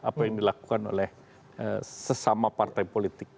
apa yang dilakukan oleh sesama partai politik